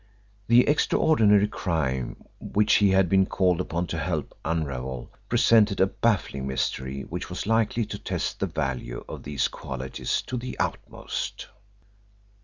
The extraordinary crime which he had been called upon to help unravel presented a baffling mystery which was likely to test the value of these qualities to the utmost.